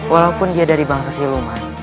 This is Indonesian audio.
walaupun dia dari bangsa siluman